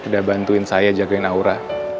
udah bantuin saya jagain aura